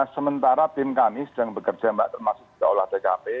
sementara tim kami sedang bekerja mbak termasuk daulah dkp